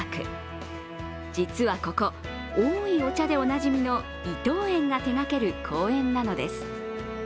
実はここおいお茶で、おなじみの伊藤園が手がける公園なのです。